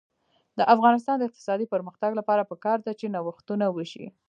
د افغانستان د اقتصادي پرمختګ لپاره پکار ده چې نوښتونه وشي.